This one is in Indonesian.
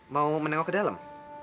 mau menengok ke dalam